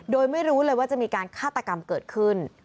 โดยไม่รู้เลยว่าจะมีการฆาตกรรมเกิดขึ้น